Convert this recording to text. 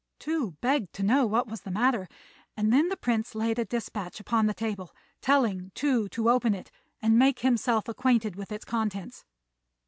Tou begged to know what was the matter; and then the Prince laid a despatch upon the table, telling Tou to open it and make himself acquainted with its contents.